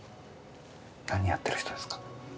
何やってる人ですか？